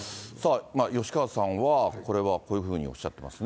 吉川さんは、これは、こういうふうにおっしゃってますね。